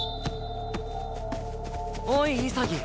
おい潔。